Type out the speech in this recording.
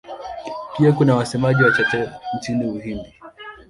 Pia kuna wasemaji wachache nchini Uhindi.